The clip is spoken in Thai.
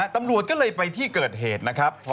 ตำรวจก็เลยไปที่เกิดเหตุนะครับ